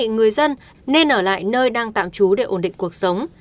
người dân nên ở lại nơi đang tạm trú để ổn định cuộc sống